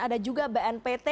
ada juga bnpt